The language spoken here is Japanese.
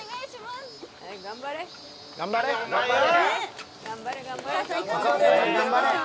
頑張れ！